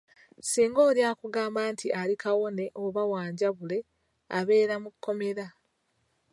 Singa oli akugamba nti ali kawone oba wanjabule abeera mu kkomera.